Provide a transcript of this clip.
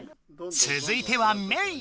つづいてはメイ。